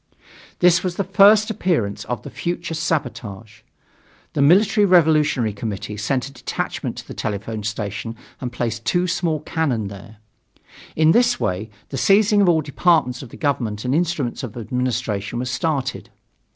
This was the first appearance of the future sabotage. The Military Revolutionary Committee sent a detachment to the telephone station and placed two small cannons there. In this way the seizing of all departments of the government and instruments of administration was started.